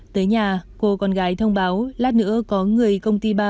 tới nhà cô con gái thông báo lát nữa có người công ty ba